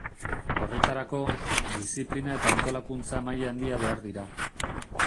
Horretarako, diziplina eta antolakuntza maila handia behar dira.